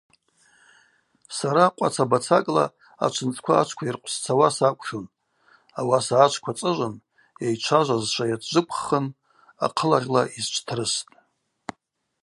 Сара къваца бацакӏла ачвынцӏква ачвква йыркъвсцауа сакӏвшун, ауаса ачвква цӏыжвын, йайчважвазшва йацджвыквххын ахъылагъьла йсчвтрыстӏ.